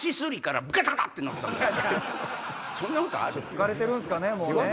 疲れてるんすかねもう。